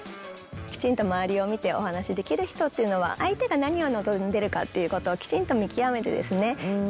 きちんと周りを見てお話しできる人っていうのは相手が何を望んでるかっていうことをきちんと見極めてですね